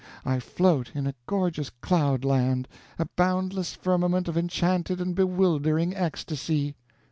I float in a gorgeous cloud land, a boundless firmament of enchanted and bewildering ecstasy!"